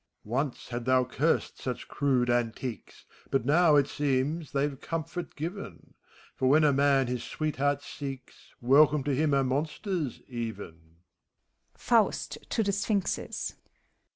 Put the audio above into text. MEPHISTOPHELES. Once thou hadst cursed such crude antiques, But now, it seems, they've comfort given; For when a man his sweetheart seeks, Welcome to him are monsters, even.